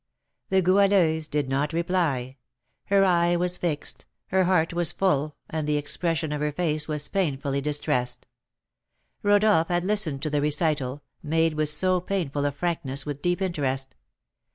The Goualeuse did not reply; her eye was fixed, her heart was full, and the expression of her face was painfully distressed. Rodolph had listened to the recital, made with so painful a frankness, with deep interest.